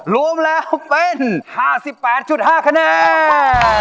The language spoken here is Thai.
รวมแล้วเป็น๕๘๕คะแนน